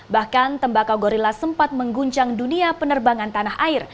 bahkan tembakau gorilla sempat mengguncang dunia penerbangan tanah air